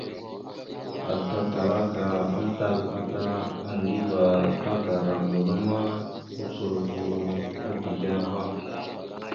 Ata Talaka amtal ata Aŋgiva tagara mula ma, ocolovura a dezl ava.